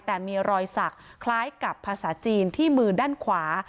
แต่มีรอยสักคล้ายกับภาษาจีนที่มือด้านขวา